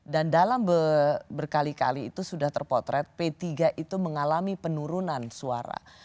dan dalam berkali kali itu sudah terpotret p tiga itu mengalami penurunan suara